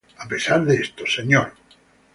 A pesar de esto, Mr.